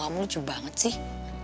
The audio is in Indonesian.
buka kamu lucu banget sih